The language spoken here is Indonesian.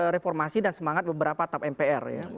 reformasi dan semangat beberapa tap mpr